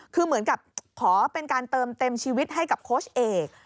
คือเหมือนกับขอเป็นการเติมเต็มชีวิตให้กับโค้ชเอก